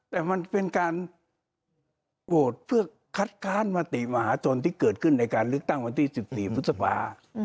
แต่มันเป็นการโหวตเพื่อคัดค้านมติมหาชนที่เกิดขึ้นในการเลือกตั้งวันที่๑๔พฤษภา